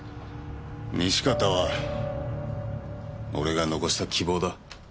西片は俺が残した希望だ。